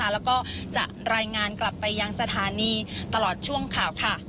แล้วก็จะรายงานกลับไปยังสถานีตลอดช่วงข่าว